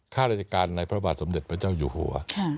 ข้าราชการในพระบาทสมเด็จพระเจ้าอยู่หัว